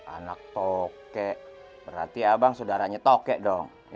anak tokek berarti abang saudaranya tokek dong